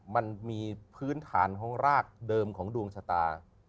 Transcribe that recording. มันมีพื้นฐานของรากเดิมของดวงชะตา